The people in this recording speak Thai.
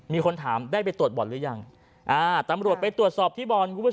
มีคนถามได้ไปตรวจบ่อนหรือยังตำรวจไปตรวจสอบที่บ่อน